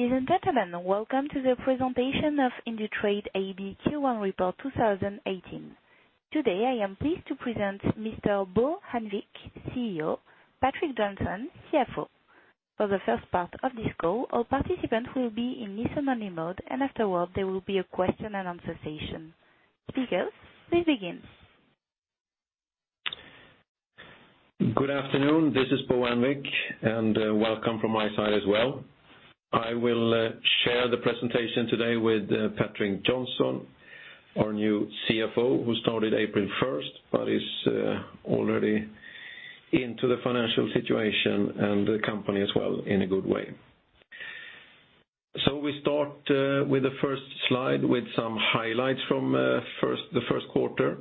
Ladies and gentlemen, welcome to the presentation of Indutrade AB Q1 Report 2018. Today, I am pleased to present Mr. Bo Annvik, CEO, Patrik Johnson, CFO. For the first part of this call, all participants will be in listen-only mode, afterward, there will be a question and answer session. Speakers, please begin. Good afternoon. This is Bo Annvik, welcome from my side as well. I will share the presentation today with Patrik Johnson, our new CFO, who started April 1st but is already into the financial situation and the company as well in a good way. We start with the first slide with some highlights from the first quarter.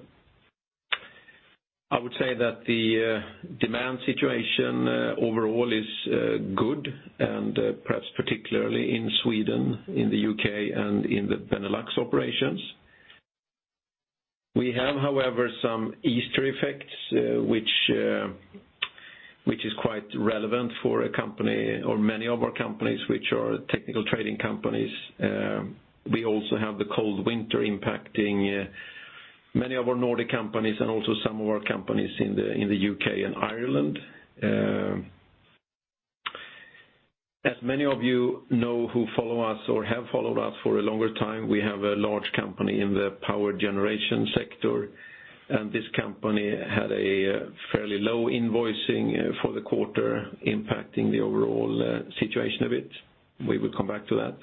I would say that the demand situation overall is good and perhaps particularly in Sweden, in the U.K., and in the Benelux operations. We have, however, some Easter effects which is quite relevant for a company or many of our companies which are technical trading companies. We also have the cold winter impacting many of our Nordic companies and also some of our companies in the U.K. and Ireland. As many of you know who follow us or have followed us for a longer time, we have a large company in the power generation sector, and this company had a fairly low invoicing for the quarter, impacting the overall situation a bit. We will come back to that.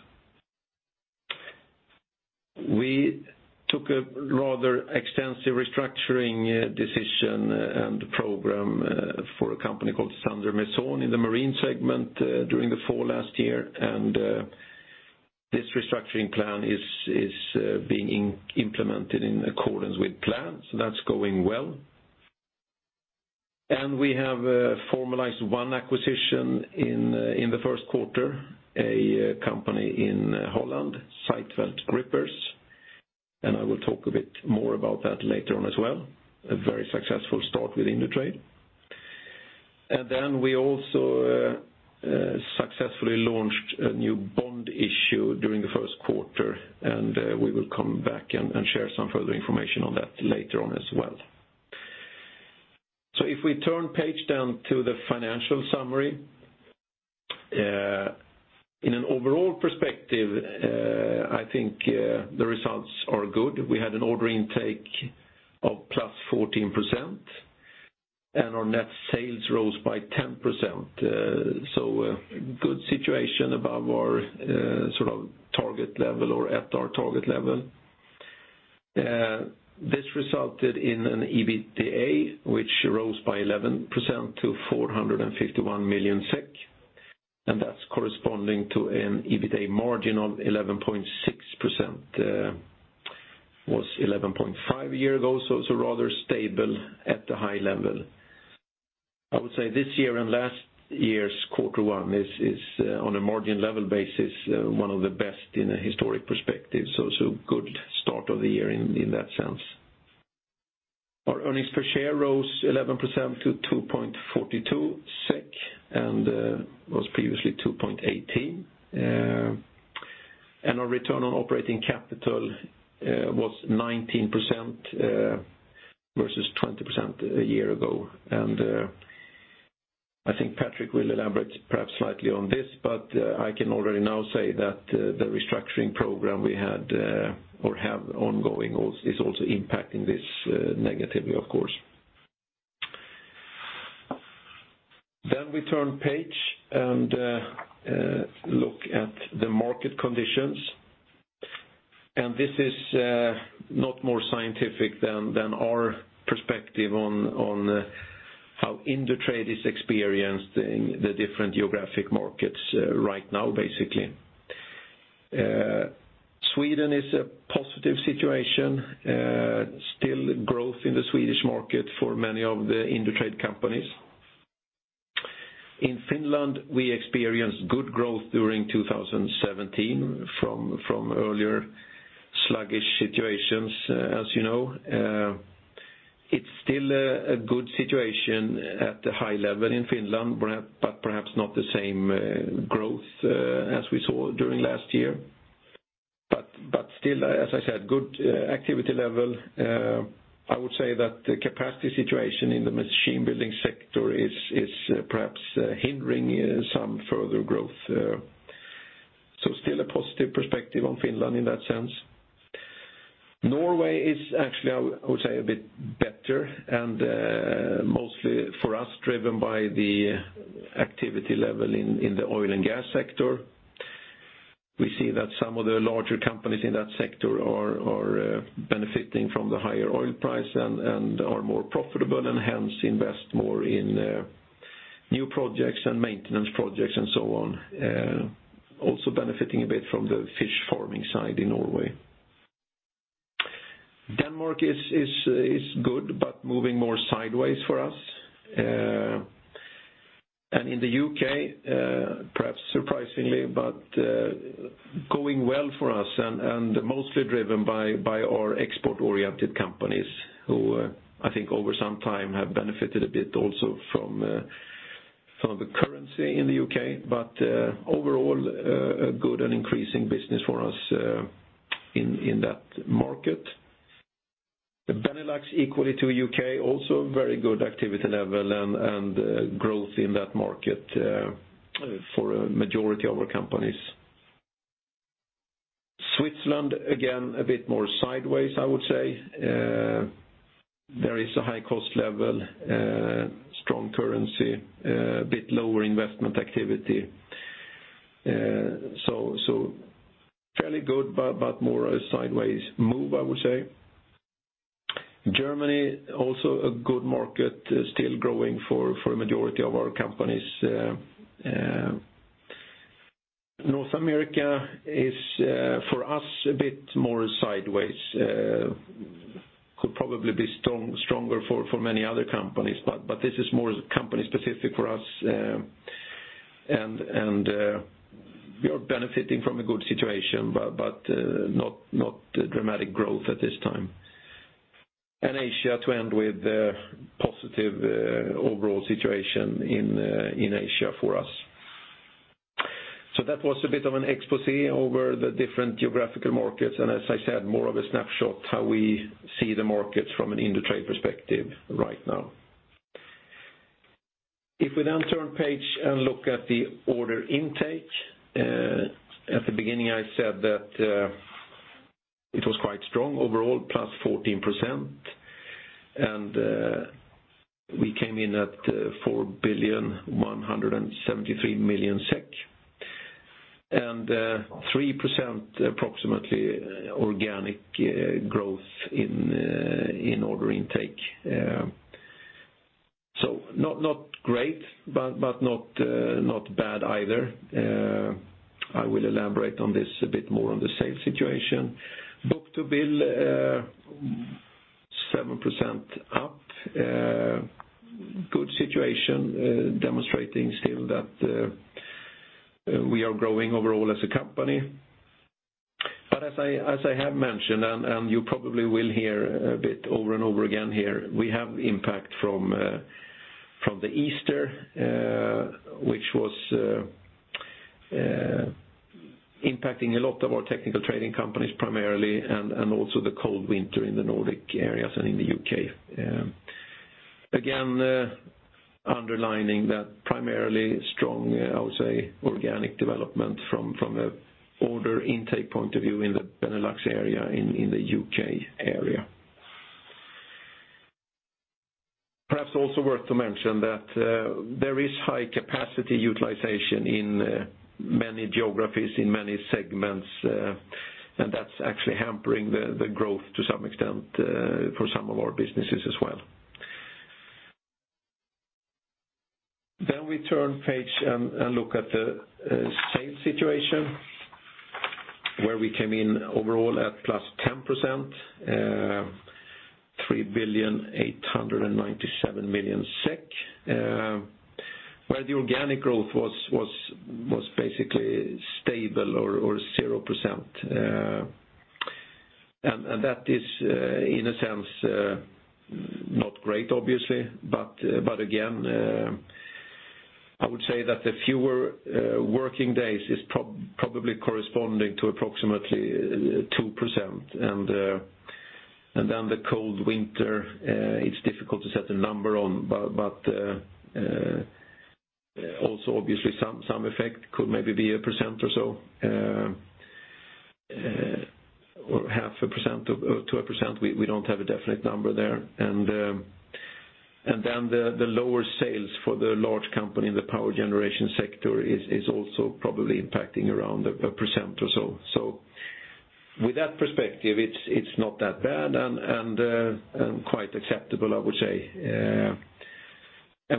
We took a rather extensive restructuring decision and program for a company called Sander Meson in the marine segment during the fall last year, and this restructuring plan is being implemented in accordance with plans. That's going well. We have formalized one acquisition in the first quarter, a company in Holland, Gimson-Zuijdvest, and I will talk a bit more about that later on as well. A very successful start with Indutrade. Then we also successfully launched a new bond issue during the first quarter, and we will come back and share some further information on that later on as well. If we turn page down to the financial summary. In an overall perspective, I think the results are good. We had an order intake of +14%, and our net sales rose by 10%. A good situation above our target level or at our target level. This resulted in an EBITA which rose by 11% to 451 million SEK, and that's corresponding to an EBITA margin of 11.6%. Was 11.5% a year ago, so it's rather stable at the high level. I would say this year and last year's quarter one is, on a margin level basis, one of the best in a historic perspective. Good start of the year in that sense. Our earnings per share rose 11% to 2.42 SEK and was previously 2.18. Our return on operating capital was 19% versus 20% a year ago. I think Patrik will elaborate perhaps slightly on this, but I can already now say that the restructuring program we had or have ongoing is also impacting this negatively, of course. We turn page and look at the market conditions. This is not more scientific than our perspective on how Indutrade is experienced in the different geographic markets right now, basically. Sweden is a positive situation. Still growth in the Swedish market for many of the Indutrade companies. In Finland, we experienced good growth during 2017 from earlier sluggish situations, as you know. It's still a good situation at the high level in Finland, but perhaps not the same growth as we saw during last year. Still, as I said, good activity level. I would say that the capacity situation in the machine building sector is perhaps hindering some further growth. Still a positive perspective on Finland in that sense. Norway is actually, I would say, a bit better, and mostly for us, driven by the activity level in the oil and gas sector. We see that some of the larger companies in that sector are benefiting from the higher oil price and are more profitable and hence invest more in new projects and maintenance projects and so on. Also benefiting a bit from the fish farming side in Norway. Denmark is good, but moving more sideways for us. In the U.K., perhaps surprisingly, but going well for us and mostly driven by our export-oriented companies, who I think over some time have benefited a bit also from the currency in the U.K., but overall, a good and increasing business for us in that market. The Benelux equally to U.K., also very good activity level and growth in that market for a majority of our companies. Switzerland, again, a bit more sideways, I would say. There is a high cost level, strong currency, a bit lower investment activity. Fairly good, but more a sideways move, I would say. Germany, also a good market, still growing for a majority of our companies. North America is, for us, a bit more sideways. Could probably be stronger for many other companies, but this is more company specific for us, and we are benefiting from a good situation, but not dramatic growth at this time. Asia, to end with, positive overall situation in Asia for us. That was a bit of an expose over the different geographical markets and as I said, more of a snapshot how we see the markets from an Indutrade perspective right now. If we then turn page and look at the order intake, at the beginning, I said that it was quite strong overall, plus 14%, and we came in at 4,173,000,000 SEK, and 3% approximately organic growth in order intake. Not great, but not bad either. I will elaborate on this a bit more on the sales situation. Book-to-bill, 7% up. Good situation, demonstrating still that we are growing overall as a company. As I have mentioned, and you probably will hear a bit over and over again here, we have impact from the Easter, which was impacting a lot of our technical trading companies primarily, and also the cold winter in the Nordic areas and in the U.K. Again, underlining that primarily strong, I would say, organic development from an order intake point of view in the Benelux area, in the U.K. area. Perhaps also worth to mention that there is high capacity utilization in many geographies, in many segments, and that's actually hampering the growth to some extent for some of our businesses as well. We turn page and look at the sales situation, where we came in overall at +10%, 3,897,000,000 SEK, where the organic growth was basically stable or 0%. That is, in a sense, not great, obviously, but again, I would say that the fewer working days is probably corresponding to approximately 2%. The cold winter, it's difficult to set a number on, but also obviously some effect could maybe be 1% or so, or 0.5% to 1%. We don't have a definite number there. The lower sales for the large company in the power generation sector is also probably impacting around 1% or so. With that perspective, it's not that bad and quite acceptable, I would say.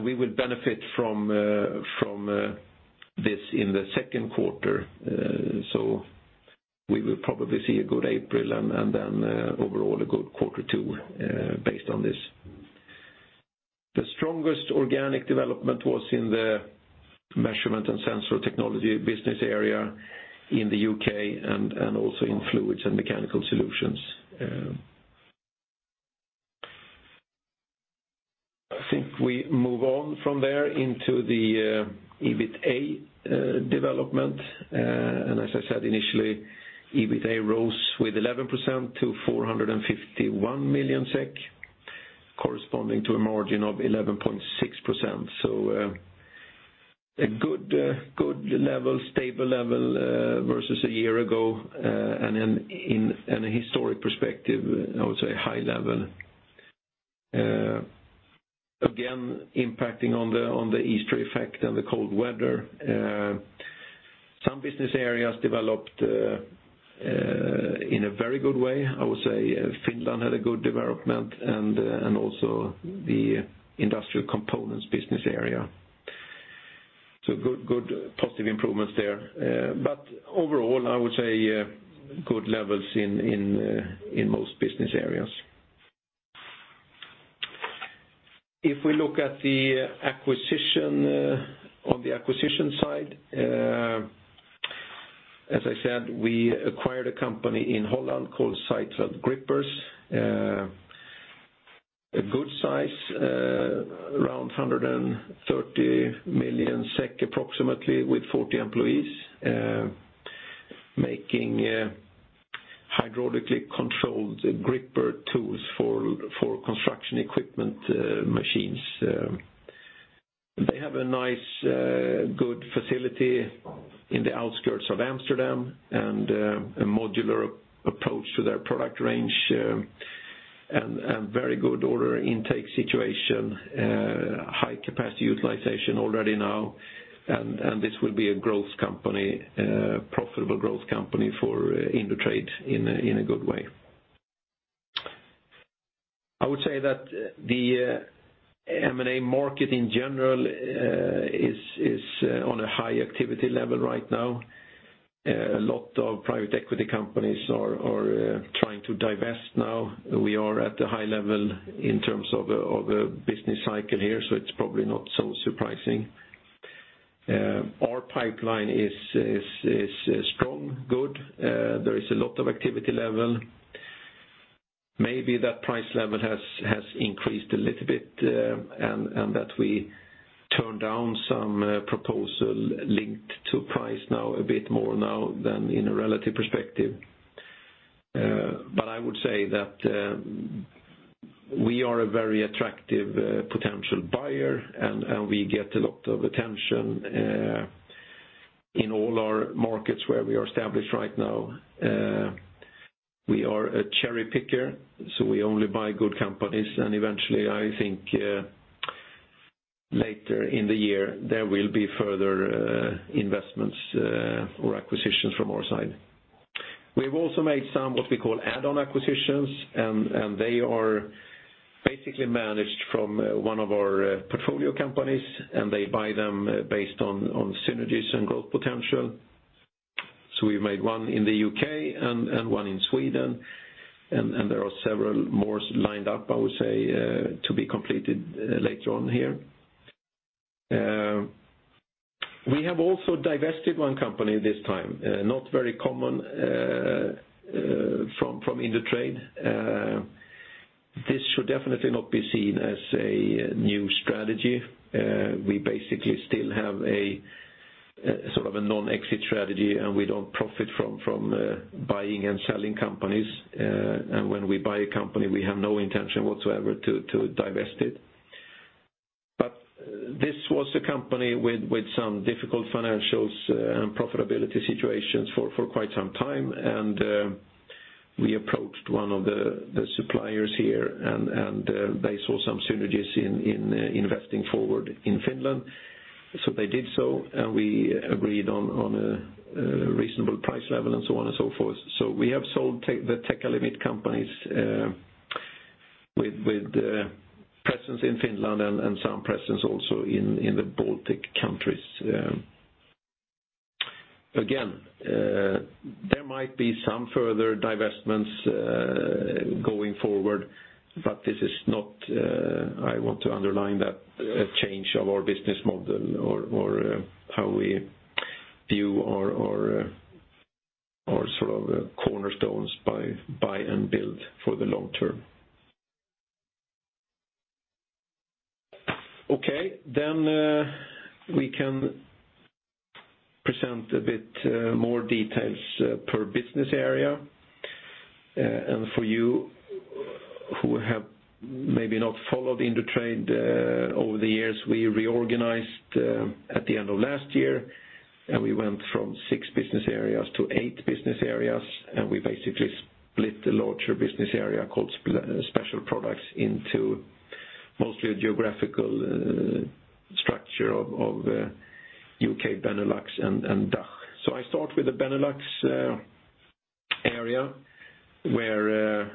We will benefit from this in the second quarter. We will probably see a good April and then overall a good quarter two based on this. The strongest organic development was in the Measurement & Sensor Technology business area in the U.K. and also in Fluids & Mechanical Solutions. I think we move on from there into the EBITA development. As I said initially, EBITA rose with 11% to 451,000,000 SEK, corresponding to a margin of 11.6%. A good level, stable level versus a year ago, and in a historic perspective, I would say high level. Again, impacting on the Easter effect and the cold weather. Some business areas developed in a very good way. I would say Finland had a good development and also the Industrial Components business area. Good positive improvements there. Overall, I would say good levels in most business areas. If we look at the acquisition, on the acquisition side, as I said, we acquired a company in Holland called Gimson-Zuijdvest. A good size, around 130 million SEK, approximately, with 40 employees, making hydraulically controlled gripper tools for construction equipment machines. They have a nice good facility in the outskirts of Amsterdam, and a modular approach to their product range, and very good order intake situation, high capacity utilization already now. This will be a profitable growth company for Indutrade in a good way. I would say that the M&A market in general is on a high activity level right now. A lot of private equity companies are trying to divest now. We are at the high level in terms of a business cycle here, so it's probably not so surprising. Our pipeline is strong, good. There is a lot of activity level. Maybe that price level has increased a little bit, that we turned down some proposal linked to price a bit more now than in a relative perspective. I would say that we are a very attractive potential buyer, and we get a lot of attention in all our markets where we are established right now. We are a cherry picker, so we only buy good companies, and eventually, I think later in the year, there will be further investments or acquisitions from our side. We've also made some, what we call add-on acquisitions, and they are basically managed from one of our portfolio companies, and they buy them based on synergies and growth potential. We made one in the U.K. and one in Sweden, and there are several more lined up, I would say, to be completed later on here. We have also divested one company this time. Not very common from Indutrade. This should definitely not be seen as a new strategy. We basically still have a non-exit strategy, and we don't profit from buying and selling companies. When we buy a company, we have no intention whatsoever to divest it. This was a company with some difficult financials and profitability situations for quite some time, and we approached one of the suppliers here, and they saw some synergies in investing forward in Finland. They did so, and we agreed on a reasonable price level and so on and so forth. We have sold the Tecalemit companies with presence in Finland and some presence also in the Baltic countries. Again, there might be some further divestments going forward, I want to underline that this is not a change of our business model or how we view our cornerstones buy and build for the long term. We can present a bit more details per business area. For you who have maybe not followed Indutrade over the years, we reorganized at the end of last year, and we went from six business areas to eight business areas, and we basically split the larger business area called Special Products into mostly a geographical structure of U.K., Benelux, and DACH. I start with the Benelux area, where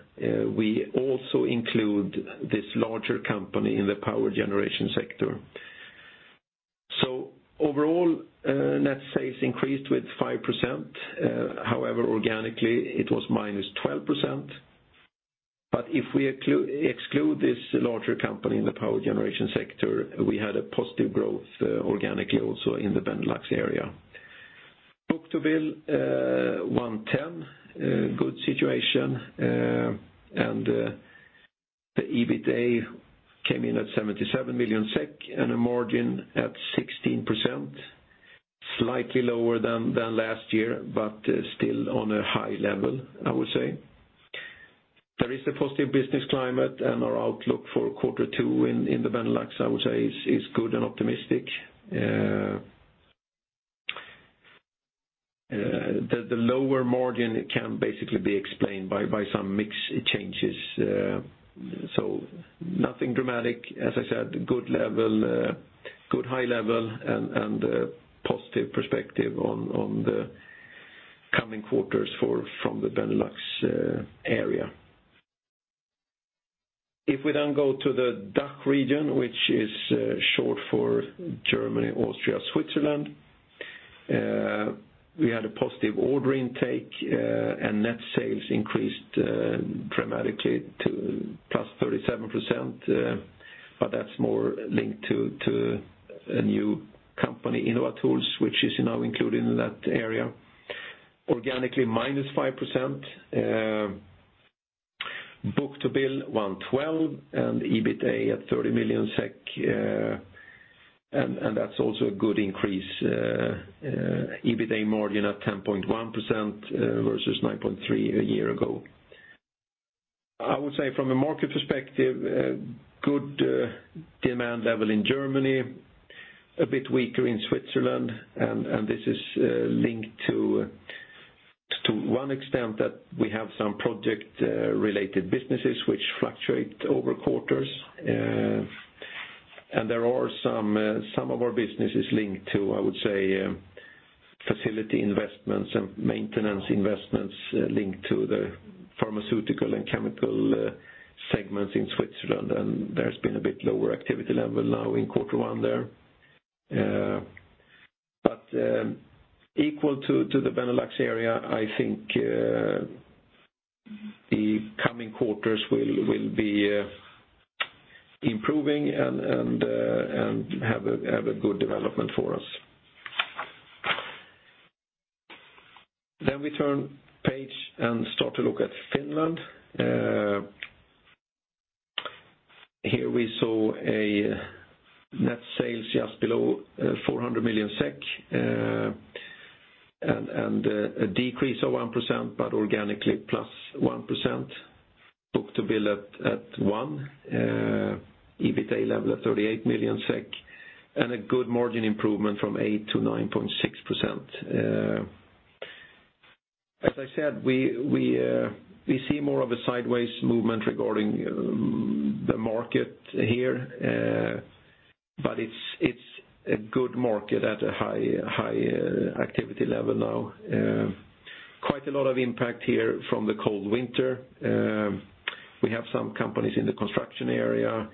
we also include this larger company in the power generation sector. Overall, net sales increased with 5%. However, organically, it was minus 12%. If we exclude this larger company in the power generation sector, we had a positive growth organically also in the Benelux area. Book-to-bill 110, good situation, and the EBITA came in at 77 million SEK and a margin at 16%, slightly lower than last year, still on a high level, I would say. There is a positive business climate and our outlook for quarter two in the Benelux, I would say, is good and optimistic. The lower margin can basically be explained by some mix changes. Nothing dramatic. As I said, good high level and a positive perspective on the coming quarters from the Benelux area. We go to the DACH region, which is short for Germany, Austria, Switzerland, we had a positive order intake, and net sales increased dramatically to +37%. That's more linked to a new company, Inovatools, which is now included in that area. Organically, minus 5%. Book-to-bill 112, EBITDA at 30 million SEK. That's also a good increase, EBITDA margin at 10.1% versus 9.3% a year ago. I would say from a market perspective, good demand level in Germany, a bit weaker in Switzerland, and this is linked to one extent that we have some project-related businesses which fluctuate over quarters. Some of our business is linked to, I would say, facility investments and maintenance investments linked to the pharmaceutical and chemical segments in Switzerland, and there's been a bit lower activity level now in quarter one there. Equal to the Benelux area, I think the coming quarters will be improving and have a good development for us. We turn page and start to look at Finland. Here we saw net sales just below 400 million SEK, and a decrease of 1%, but organically plus 1%. Book-to-bill at one. EBITDA level at 38 million SEK, and a good margin improvement from 8% to 9.6%. As I said, we see more of a sideways movement regarding the market here, but it's a good market at a high activity level now. Quite a lot of impact here from the cold winter. We have some companies in the construction area,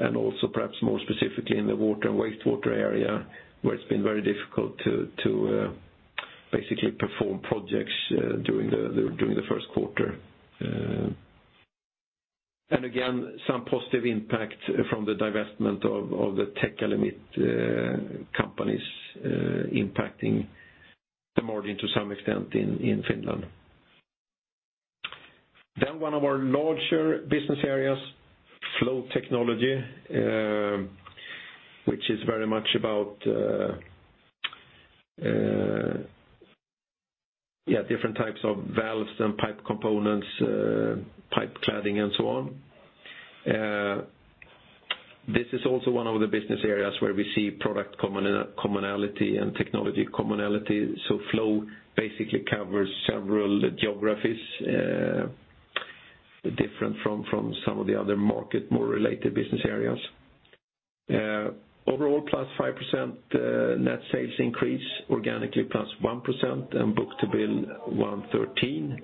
and also perhaps more specifically in the water and wastewater area, where it's been very difficult to basically perform projects during the first quarter. Again, some positive impact from the divestment of the Tecalemit companies impacting the margin to some extent in Finland. One of our larger business areas, Flow Technology, which is very much about different types of valves and pipe components, pipe cladding and so on. This is also one of the business areas where we see product commonality and technology commonality. Flow basically covers several geographies, different from some of the other market, more related business areas. Overall, plus 5% net sales increase, organically plus 1%, and book-to-bill 113.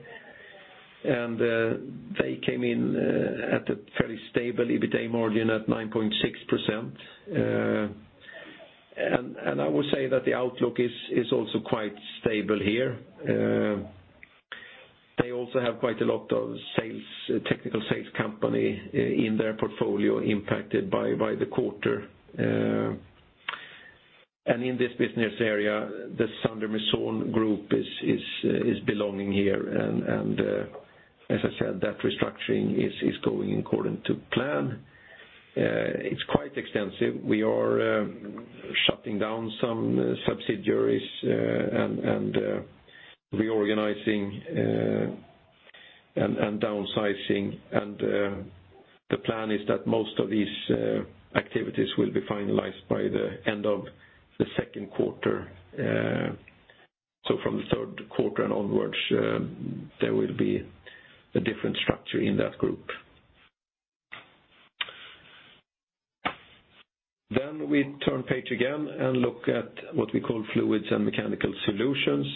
They came in at a fairly stable EBITDA margin at 9.6%. I would say that the outlook is also quite stable here. They also have quite a lot of technical sales company in their portfolio impacted by the quarter. In this business area, the Sander Meson Group is belonging here, and as I said, that restructuring is going according to plan. It's quite extensive. We are shutting down some subsidiaries and reorganizing and downsizing, and the plan is that most of these activities will be finalized by the end of the second quarter. From the third quarter and onwards, there will be a different structure in that group. We turn page again and look at what we call Fluids & Mechanical Solutions,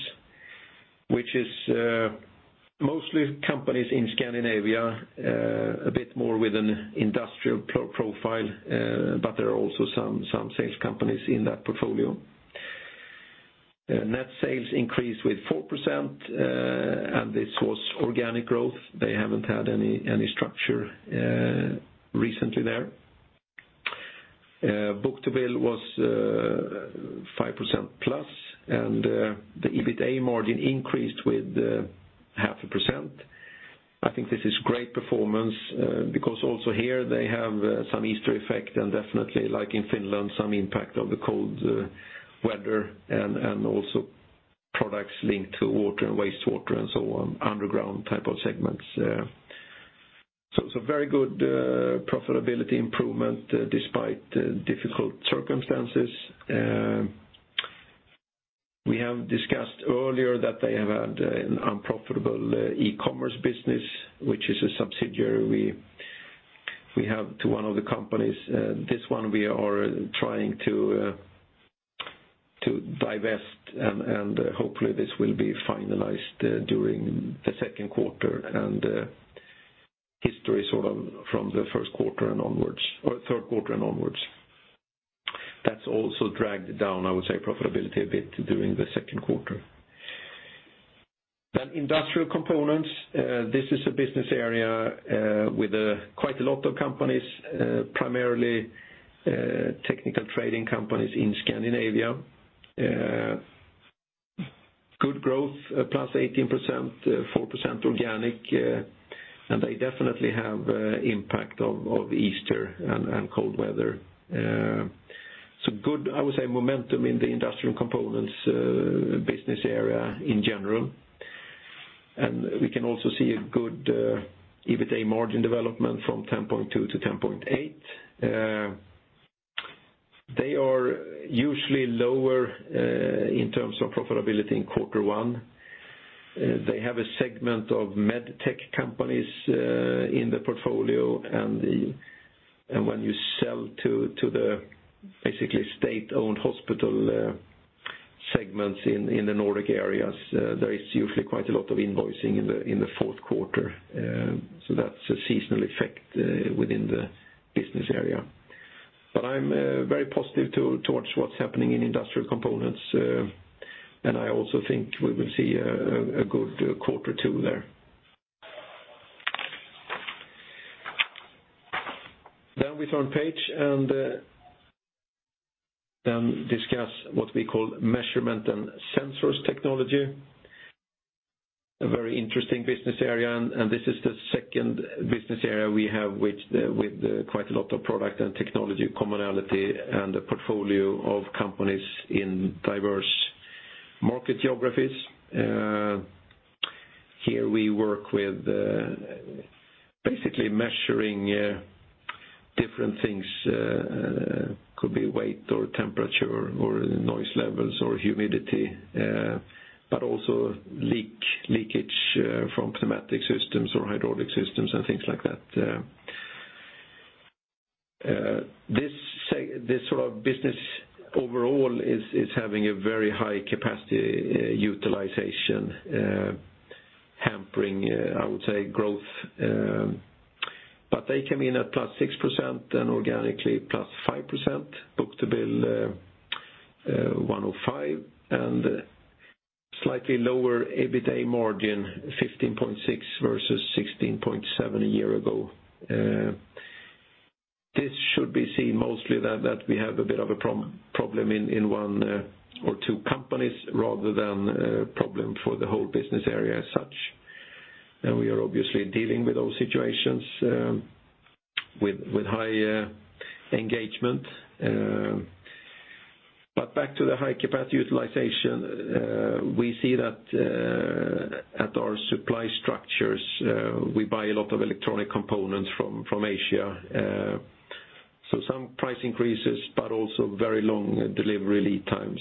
which is mostly companies in Scandinavia, a bit more with an industrial profile, but there are also some sales companies in that portfolio. Net sales increased with 4%, and this was organic growth. They haven't had any structure recently there. Book-to-bill was 5% plus, and the EBITDA margin increased with half a percent. I think this is great performance because also here they have some Easter effect and definitely like in Finland, some impact of the cold weather and also products linked to water and wastewater and so on, underground type of segments. Very good profitability improvement despite difficult circumstances. We have discussed earlier that they have had an unprofitable e-commerce business, which is a subsidiary we have to one of the companies. This one we are trying to divest, and hopefully this will be finalized during the second quarter and history sort of from the first quarter and onwards or third quarter and onwards. That's also dragged down, I would say, profitability a bit during the second quarter. Industrial Components. This is a business area with quite a lot of companies, primarily technical trading companies in Scandinavia. Good growth, +18%, 4% organic. They definitely have impact of Easter and cold weather. Good, I would say, momentum in the Industrial Components business area in general. We can also see a good EBITA margin development from 10.2 to 10.8. They are usually lower in terms of profitability in quarter one. They have a segment of MedTech companies in the portfolio, and when you sell to the basically state-owned hospital segments in the Nordic areas, there is usually quite a lot of invoicing in the fourth quarter. That's a seasonal effect within the business area. I'm very positive towards what's happening in Industrial Components. I also think we will see a good quarter two there. We turn page and discuss what we call Measurement & Sensor Technology. A very interesting business area. This is the second business area we have with quite a lot of product and technology commonality and a portfolio of companies in diverse market geographies. Here we work with basically measuring different things. Could be weight or temperature or noise levels or humidity, but also leakage from pneumatic systems or hydraulic systems and things like that. This sort of business overall is having a very high capacity utilization, hampering, I would say, growth. They come in at +6% and organically +5%. Book-to-bill 105 and slightly lower EBITA margin, 15.6 versus 16.7 a year ago. This should be seen mostly that we have a bit of a problem in one or two companies rather than a problem for the whole business area as such. We are obviously dealing with those situations with high engagement. Back to the high-capacity utilization, we see that at our supply structures we buy a lot of electronic components from Asia. Some price increases, but also very long delivery lead times.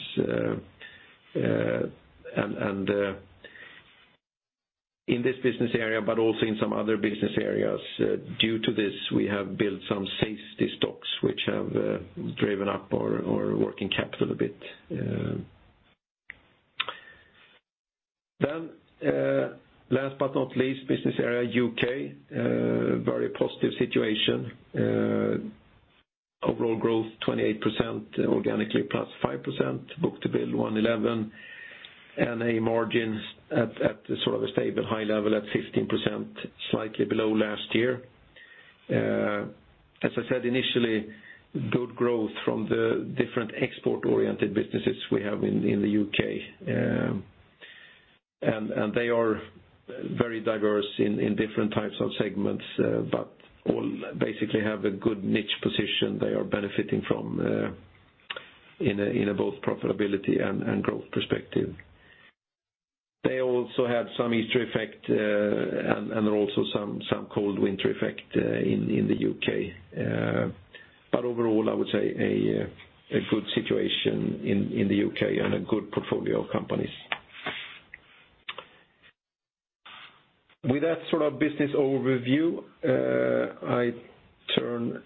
In this business area, but also in some other business areas, due to this, we have built some safety stocks which have driven up our working capital a bit. Last but not least, business area U.K., very positive situation. Overall growth 28%, organically +5%, book-to-bill 111, and a margin at a stable high level at 15%, slightly below last year. As I said initially, good growth from the different export-oriented businesses we have in the U.K. They are very diverse in different types of segments, but all basically have a good niche position they are benefiting from in a both profitability and growth perspective. They also had some Easter effect, and also some cold winter effect in the U.K. Overall, I would say a good situation in the U.K. and a good portfolio of companies. With that sort of business overview, I turn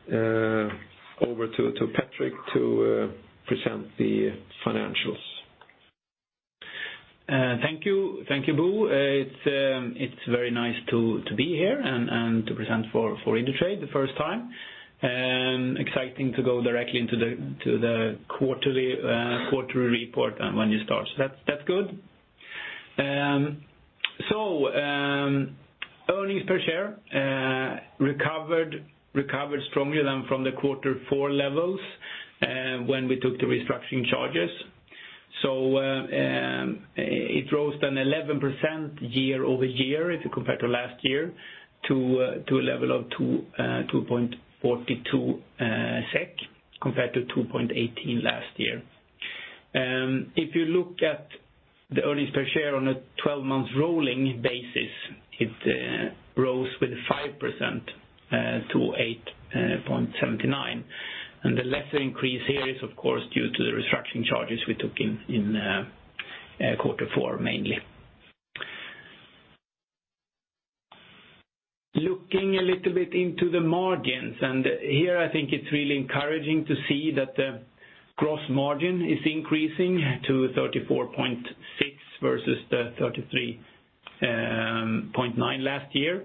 over to Patrik to present the financials. Thank you. Thank you, Bo. It's very nice to be here and to present for Indutrade the first time. Exciting to go directly into the quarterly report when you start. That's good. Earnings per share recovered strongly then from the quarter four levels when we took the restructuring charges. It rose then 11% year-over-year if you compare to last year to a level of 2.42 SEK compared to 2.18 last year. If you look at the earnings per share on a 12-month rolling basis, it rose with 5% to 8.79. The lesser increase here is of course due to the restructuring charges we took in quarter four mainly. Looking a little bit into the margins, here I think it's really encouraging to see that the gross margin is increasing to 34.6% versus the 33.9% last year.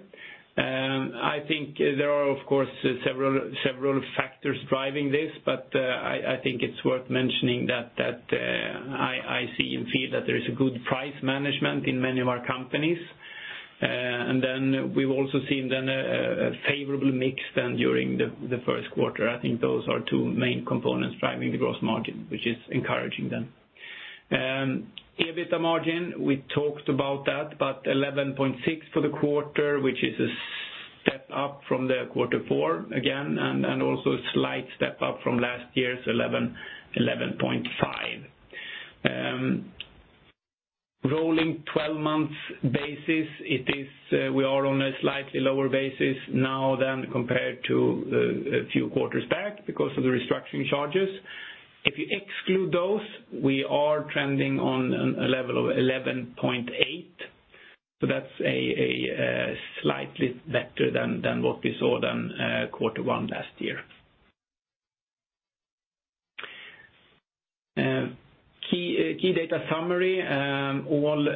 I think there are, of course, several factors driving this, I think it's worth mentioning that I see and feel that there is a good price management in many of our companies. We've also seen then a favorable mix then during the first quarter. I think those are two main components driving the gross margin, which is encouraging then. EBITDA margin, we talked about that, 11.6% for the quarter, which is a step up from the quarter four again, and also a slight step up from last year's 11.5%. Rolling 12-month basis, we are on a slightly lower basis now than compared to a few quarters back because of the restructuring charges. If you exclude those, we are trending on a level of 11.8%, that's slightly better than what we saw then quarter one last year. Key data summary, all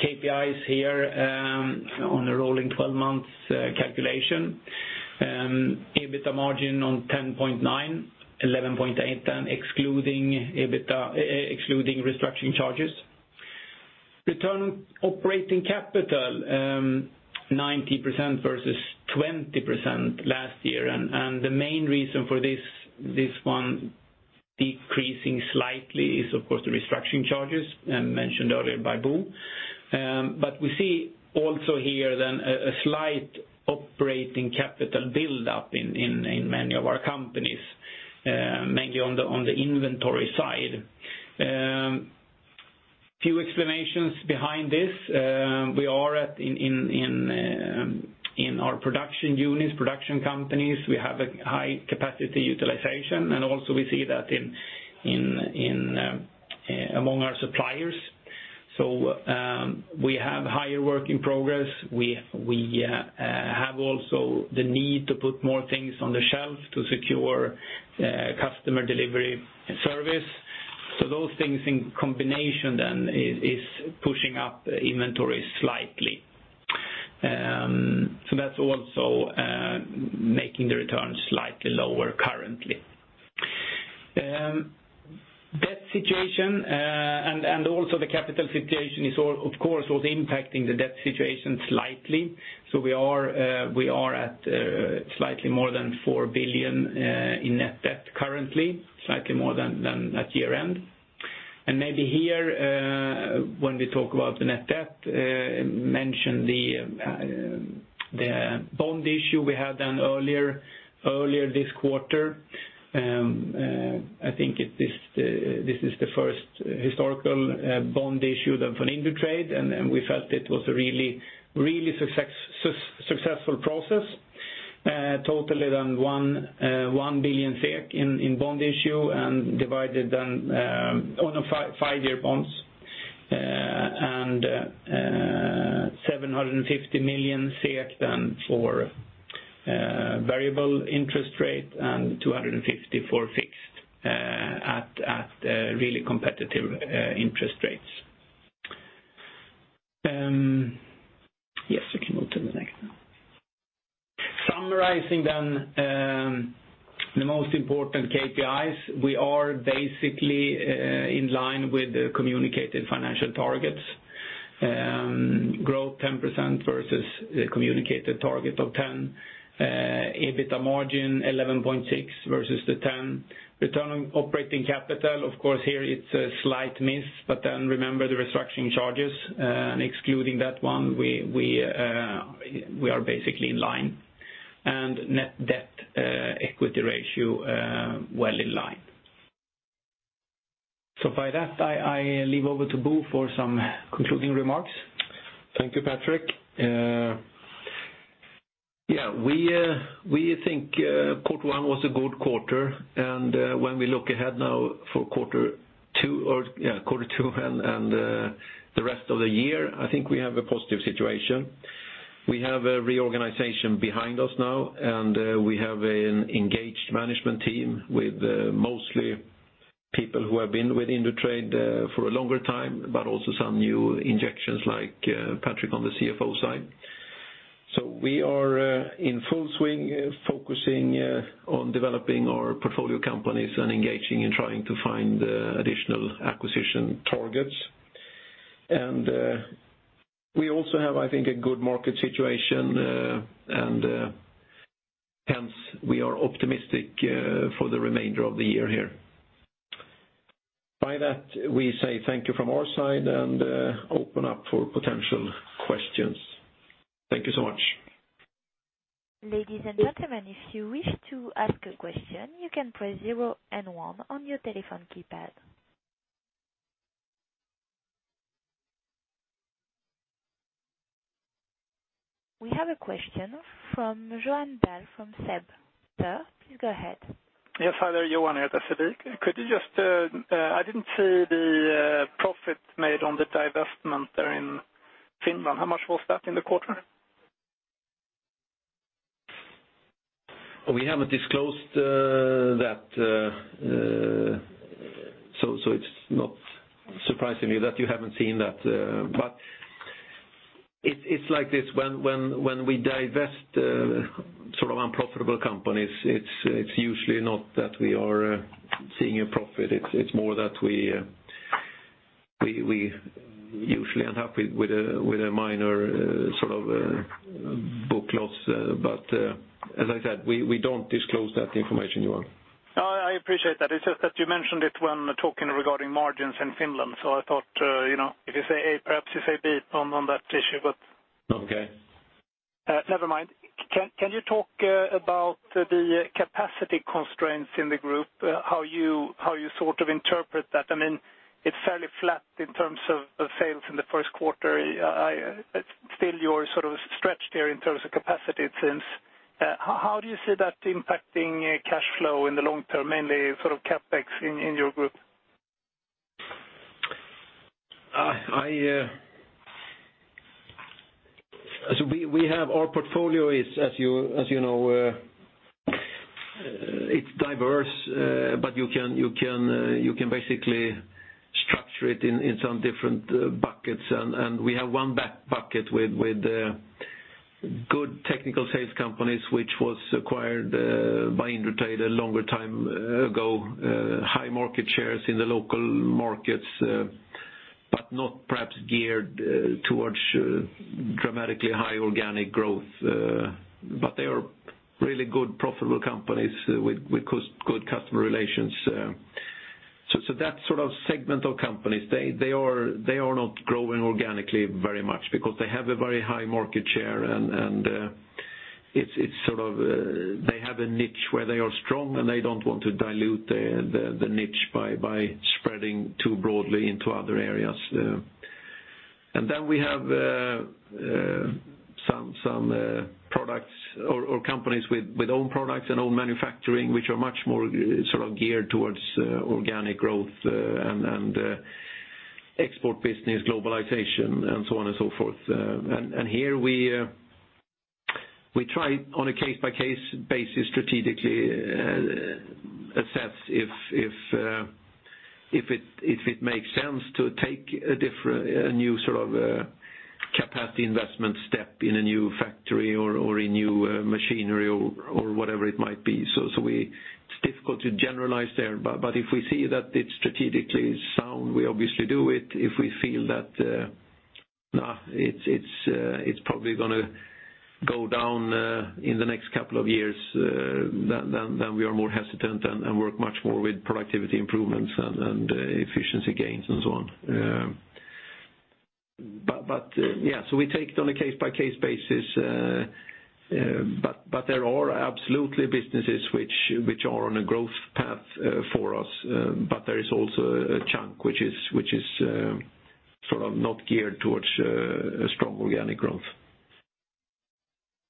KPIs here on a rolling 12-month calculation. EBITDA margin on 10.9%, 11.8% then excluding restructuring charges. Return on operating capital 19% versus 20% last year, the main reason for this one decreasing slightly is, of course, the restructuring charges mentioned earlier by Bo. We see also here then a slight operating capital buildup in many of our companies, maybe on the inventory side. Few explanations behind this. We are in our production units, production companies, we have a high capacity utilization, and also we see that among our suppliers. We have higher work in progress. We have also the need to put more things on the shelf to secure customer delivery service. Those things in combination then is pushing up the inventory slightly. That's also making the return slightly lower currently. Debt situation and also the capital situation is of course also impacting the debt situation slightly. We are at slightly more than 4 billion in net debt currently, slightly more than at year-end. Maybe here when we talk about the net debt, mention the bond issue we had done earlier this quarter. I think this is the first historical bond issue then for Indutrade, and we felt it was a really successful process. Totally done 1 billion SEK in bond issue and divided then on five-year bonds, and 750 million SEK then for variable interest rate and 250 million for fixed at really competitive interest rates. We can move to the next now. Summarizing then the most important KPIs, we are basically in line with the communicated financial targets. Growth 10% versus the communicated target of 10%. EBITDA margin 11.6% versus the 10%. Return on operating capital, of course here it's a slight miss, but then remember the restructuring charges, and excluding that one, we are basically in line. Net debt-to-equity ratio well in line. By that, I leave over to Bo for some concluding remarks. Thank you, Patrik. We think quarter one was a good quarter, and when we look ahead now for quarter two and the rest of the year, I think we have a positive situation. We have a reorganization behind us now, and we have an engaged management team with mostly people who have been with Indutrade for a longer time, but also some new injections like Patrik on the CFO side. We are in full swing focusing on developing our portfolio companies and engaging in trying to find additional acquisition targets. We also have, I think, a good market situation, and hence we are optimistic for the remainder of the year here. By that, we say thank you from our side and open up for potential questions. Thank you so much. Ladies and gentlemen, if you wish to ask a question, you can press zero and one on your telephone keypad. We have a question from Johan Dahl from SEB. Sir, please go ahead. Yes. Hi there, Johan here at SEB. I didn't see the profit made on the divestment there in Finland. How much was that in the quarter? We haven't disclosed that, so it's not surprising to me that you haven't seen that. It's like this, when we divest unprofitable companies, it's usually not that we are seeing a profit. It's more that we usually end up with a minor book loss. As I said, we don't disclose that information, Johan. I appreciate that. It's just that you mentioned it when talking regarding margins in Finland, so I thought, if you say A, perhaps you say B on that issue. Okay. Never mind. Can you talk about the capacity constraints in the group? How you interpret that? It's fairly flat in terms of sales in the first quarter. Still you're stretched here in terms of capacity since. How do you see that impacting cash flow in the long term, mainly CapEx in your group? Our portfolio, as you know, it's diverse but you can basically structure it in some different buckets. We have one bucket with good technical sales companies, which was acquired by Indutrade a longer time ago. High market shares in the local markets, but not perhaps geared towards dramatically high organic growth. They are really good profitable companies with good customer relations. That segment of companies, they are not growing organically very much because they have a very high market share, and they have a niche where they are strong, and they don't want to dilute the niche by spreading too broadly into other areas. We have some products or companies with own products and own manufacturing, which are much more geared towards organic growth and export business, globalization, and so on and so forth. Here we try on a case-by-case basis, strategically assess if it makes sense to take a new capacity investment step in a new factory or a new machinery or whatever it might be. It's difficult to generalize there, but if we see that it's strategically sound, we obviously do it. If we feel that it's probably going to go down in the next couple of years, we are more hesitant and work much more with productivity improvements and efficiency gains and so on. We take it on a case-by-case basis, but there are absolutely businesses which are on a growth path for us. There is also a chunk which is not geared towards strong organic growth.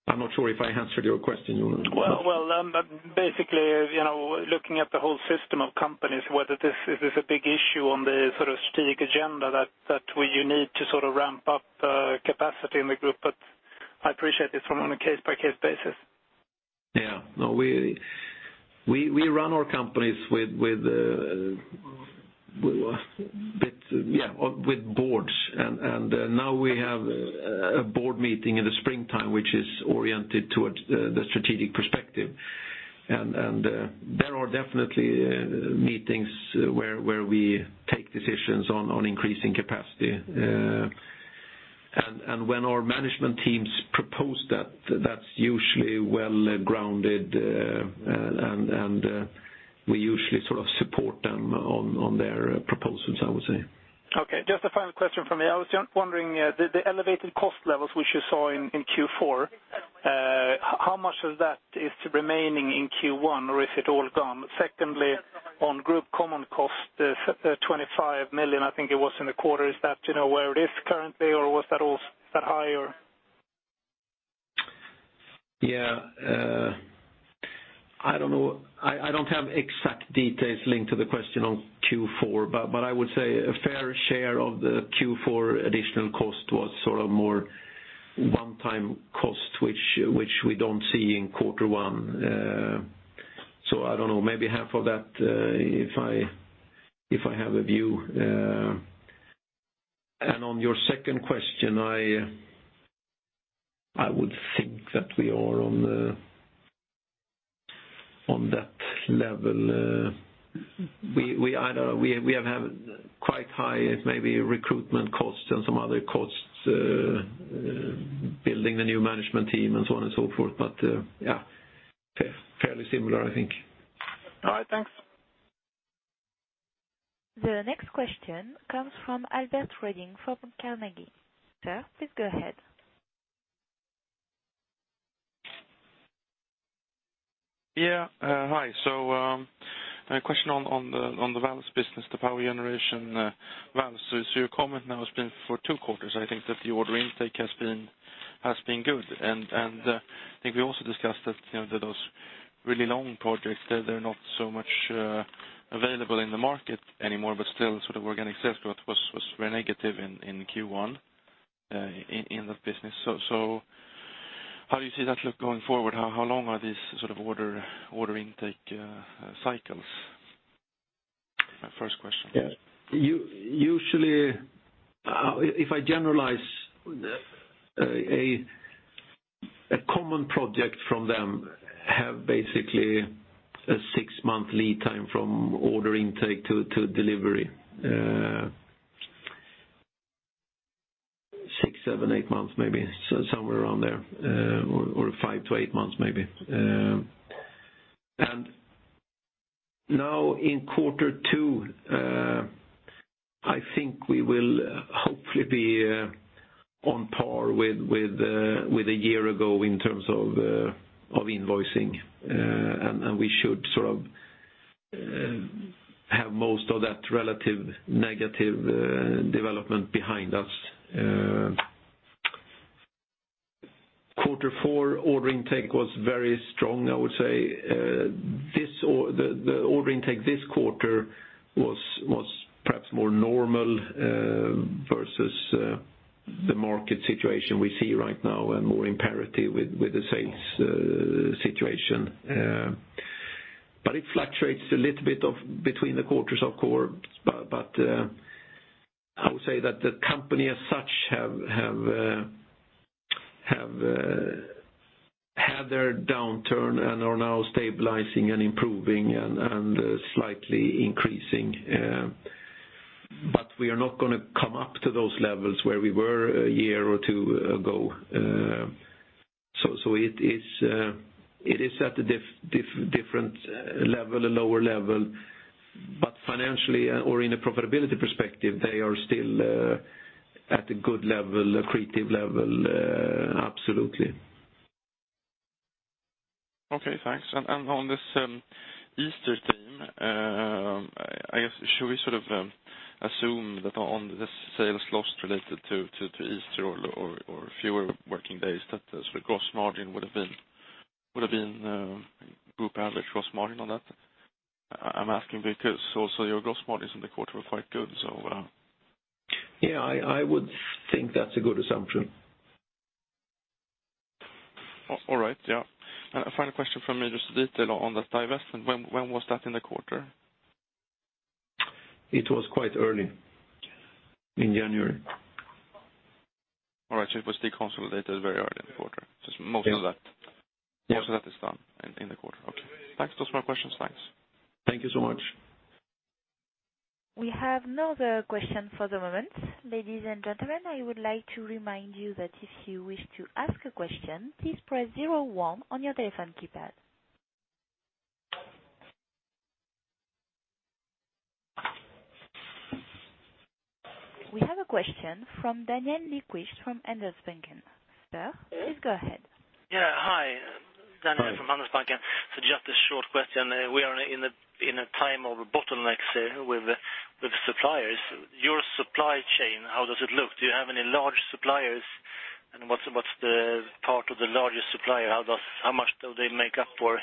I'm not sure if I answered your question, Johan. Well, basically, looking at the whole system of companies, whether this is a big issue on the strategic agenda that you need to ramp up capacity in the group. I appreciate it's on a case-by-case basis. Yeah. We run our companies with boards. Now we have a board meeting in the springtime, which is oriented towards the strategic perspective. There are definitely meetings where we take decisions on increasing capacity. When our management teams propose that's usually well-grounded, and we usually support them on their proposals, I would say. Okay, just a final question from me. I was wondering, the elevated cost levels which you saw in Q4, how much of that is remaining in Q1 or is it all gone? Secondly, on group common cost, the 25 million I think it was in the quarter, is that where it is currently or was that all that high? Yeah. I don't know. I don't have exact details linked to the question on Q4, but I would say a fair share of the Q4 additional cost was more one-time cost, which we don't see in Q1. I don't know, maybe half of that, if I have a view. On your second question, I would think that we are on that level. We have had quite high, maybe recruitment costs and some other costs, building the new management team and so on and so forth, but yeah. Fairly similar, I think. All right. Thanks. The next question comes from Albert Redding from Carnegie. Sir, please go ahead. My question on the valves business, the power generation valves. Your comment now has been for two quarters, I think that the order intake has been good. I think we also discussed that those really long projects, they're not so much available in the market anymore, but still organic sales growth was very negative in Q1 in that business. How do you see that look going forward? How long are these sort of order intake cycles? My first question. Yeah. Usually, if I generalize, a common project from them have basically a six-month lead time from order intake to delivery. Six, seven, eight months, maybe. Somewhere around there, or five to eight months, maybe. Now in quarter 2, I think we will hopefully be on par with a year ago in terms of invoicing. We should sort of have most of that relative negative development behind us. Quarter 4 order intake was very strong, I would say. The order intake this quarter was perhaps more normal, versus the market situation we see right now, and more in parity with the sales situation. It fluctuates a little bit between the quarters, of course. I would say that the company as such have had their downturn and are now stabilizing and improving and slightly increasing. We are not going to come up to those levels where we were a year or two ago. It is at a different level, a lower level, financially or in a profitability perspective, they are still at a good level, accretive level, absolutely. Okay, thanks. On this Easter theme, I guess, should we sort of assume that on the sales loss related to Easter or fewer working days, that the gross margin would have been group average gross margin on that? I'm asking because also your gross margins in the quarter were quite good. Yeah, I would think that's a good assumption. All right. Yeah. A final question from me, just a detail on that divestment. When was that in the quarter? It was quite early, in January. All right. It was deconsolidated very early in the quarter. Yeah. Most of that is done in the quarter. Okay. Thanks. Those are my questions, thanks. Thank you so much. We have no other questions for the moment. Ladies and gentlemen, I would like to remind you that if you wish to ask a question, please press zero one on your telephone keypad. We have a question from Daniel Lindkvist from Handelsbanken. Sir, please go ahead. Yeah. Hi, Daniel from Handelsbanken. Just a short question. We are in a time of bottlenecks with suppliers. Your supply chain, how does it look? Do you have any large suppliers? What's the part of the largest supplier? How much do they make up for?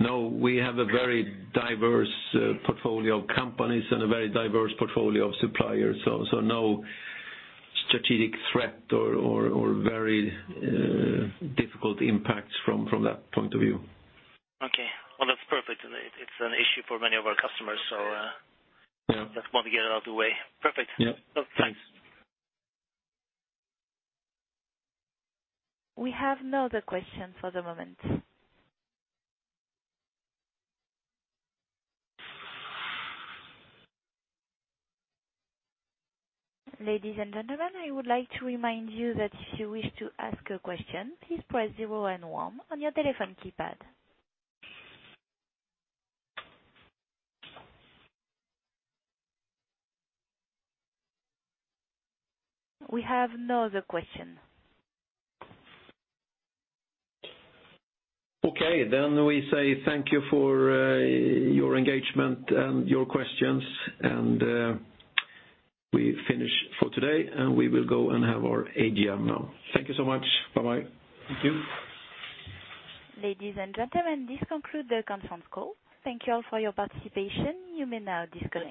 We have a very diverse portfolio of companies and a very diverse portfolio of suppliers. No strategic threat or very difficult impacts from that point of view. Okay. Well, that's perfect. It's an issue for many of our customers. Yeah. I just want to get it out of the way. Perfect. Yeah. Well, thanks. We have no other questions for the moment. Ladies and gentlemen, I would like to remind you that if you wish to ask a question, please press zero and one on your telephone keypad. We have no other question. Okay. We say thank you for your engagement and your questions, and we finish for today, and we will go and have our AGM now. Thank you so much. Bye-bye. Thank you. Ladies and gentlemen, this concludes the conference call. Thank you all for your participation. You may now disconnect.